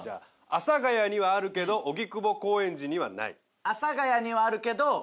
「阿佐ヶ谷にはあるけど荻窪・高円寺にはない」。